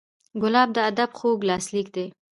ګلاب د ادب خوږ لاسلیک دی.